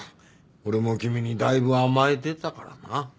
俺も君にだいぶ甘えてたからな。